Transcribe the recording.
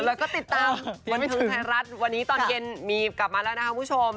แล้วก็ติดตามวันนี้ตอนเย็นกลับมาแล้วนะคะคุณผู้ชม